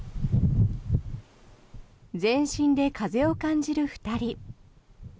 全身で風を感じる２人。